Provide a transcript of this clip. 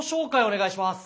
お願いします。